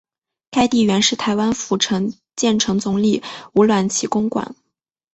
该地原是台湾府城建城总理吴鸾旗公馆。